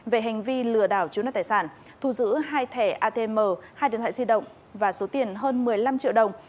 về hành vi lừa đảo chiếm đoạt tài sản thu giữ hai thẻ atm hai điện thoại di động và số tiền hơn một mươi năm triệu đồng